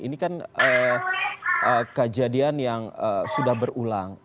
ini kan kejadian yang sudah berulang